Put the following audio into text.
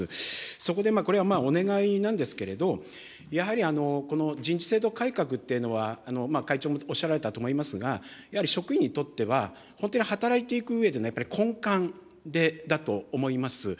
そこで、これはお願いなんですけれど、やはりこの人事制度改革っていうのは、会長もおっしゃられたと思いますが、やはり職員にとっては、本当に働いていくうえでの根幹だと思います。